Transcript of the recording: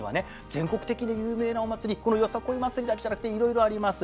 全国的に有名なお祭りこのよさこい祭りだけじゃなくていろいろあります。